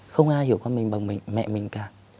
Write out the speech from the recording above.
không ai hiểu con mình bằng mẹ mình cả